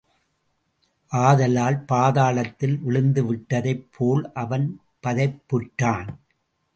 அதல பாதாளத்தில் விழுந்துவிட்டதைப் போல் அவன் பதைப்புற்றான்.